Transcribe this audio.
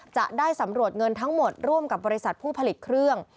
จะได้สำรวจเงินทั้งหมดร่วมกับบริษัทผู้ผลิตเครื่อง